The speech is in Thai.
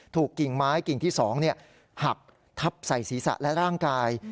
กิ่งไม้กิ่งที่๒หักทับใส่ศีรษะและร่างกาย